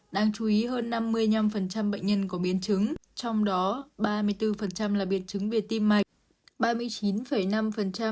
đáng chú ý hơn năm mươi năm bệnh nhân có biến chứng trong đó ba mươi bốn là biến chứng biệt tim mạch